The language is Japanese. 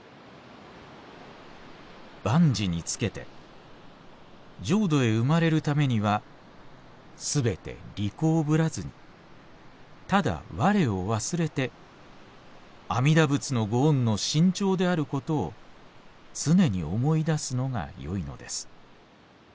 「万事につけて浄土へ生まれるためにはすべて利口ぶらずにただ我を忘れて阿弥陀仏のご恩の深重であることを常に思い出すのがよいのです。